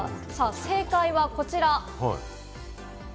正解はこちら。